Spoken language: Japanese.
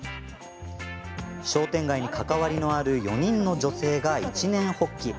商店街に関わりのある４人の女性が一念発起。